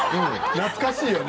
懐かしいよね。